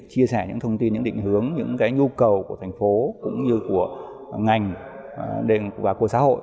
chia sẻ những thông tin những định hướng những cái nhu cầu của thành phố cũng như của ngành và của xã hội